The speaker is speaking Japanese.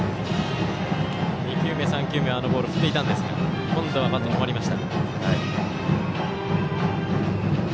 ２球目、３球目はあのボール振っていたんですが今度はバットが止まりました。